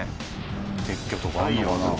撤去とかあるのかな？